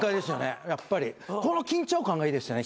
やっぱりこの緊張感がいいですよね